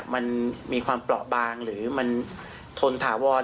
ทุนทหารโพนวารเหล็กหยุด